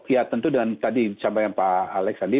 ya tentu dengan tadi disampaikan pak alex tadi